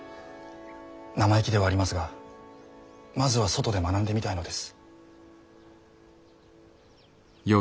生意気ではありますがまずは外で学んでみたいのです。